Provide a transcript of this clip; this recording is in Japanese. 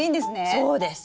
そうです。